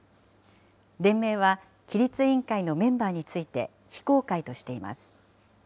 連盟は、規律委員会のメンバーについて非公開としています。